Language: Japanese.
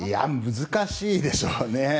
難しいでしょうね。